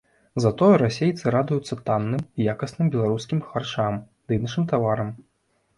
Затое расейцы радуюцца танным і якасным беларускім харчам ды іншым таварам.